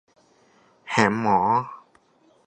แหมหมอ